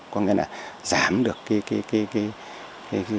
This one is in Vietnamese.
có nghĩa là giảm được cái sự đầu tư của con người